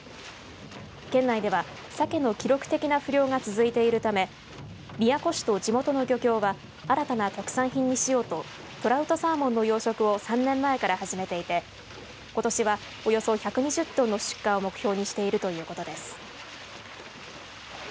県内では、サケの記録的な不漁が続いているため宮古市と地元の漁協は新たな特産品にしようとトラウトサーモンの養殖を３年前から始めていてことしは、およそ１２０トンの出荷を目標にしているということです。